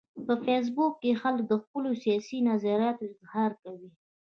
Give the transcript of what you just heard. په فېسبوک کې خلک د خپلو سیاسي نظریاتو اظهار کوي